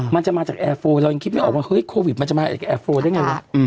มันจะมาจากแอร์โฟเรายังคิดไม่ออกว่าเฮ้ยโควิดมันจะมาจากแอร์โฟได้ไงวะ